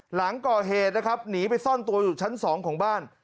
หลังก่อเหตุนะครับหนีไปซ่อนตัวอยู่ชั้น๒ของบ้าน